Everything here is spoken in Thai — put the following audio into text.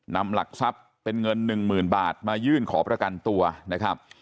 นำหลักทรัพย์เป็นเงินหนึ่งหมื่นบาทมายื่นขอประกันตัวนะครับ